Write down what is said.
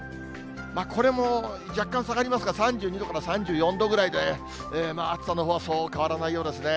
これも若干下がりますが、３２度から３４度ぐらいで、暑さのほうは、そう変わらないようですね。